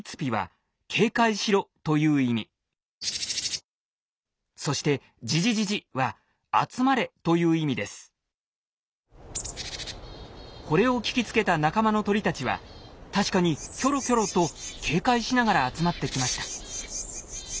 １つ目のそしてこれを聞きつけた仲間の鳥たちは確かにキョロキョロと警戒しながら集まってきました。